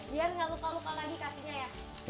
biar tidak luka luka lagi kasurnya ya